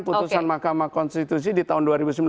putusan mahkamah konstitusi di tahun dua ribu sembilan belas